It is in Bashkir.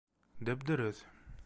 Дөп-дөрөҫ.